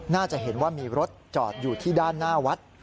น่าจะเห็นว่ามีรถจอดอยู่ที่ด้านหน้าวัด